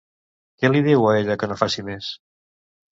Què li diu a ella que no faci més?